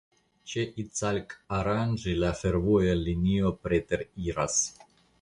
Ĉe Icalkaranĝi la fervoja linio preteriras.